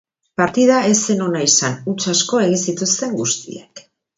Partida ez zen ona izan, huts asko egin zituzten guztiek.